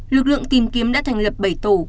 lực lượng tìm kiếm đã thành lập bảy tổ